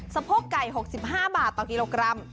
สะโพกไก่๖๕บาทต่อกิโลกรัม